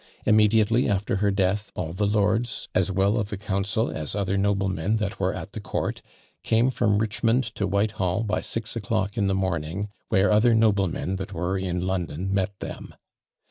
Immediately after her death, all the lords, as well of the council as other noblemen that were at the court, came from Richmond to Whitehall by six o'clock in the morning, where other noblemen that were in London met them.